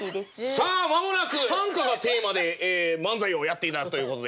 さあ間もなく短歌がテーマで漫才をやって頂くということで。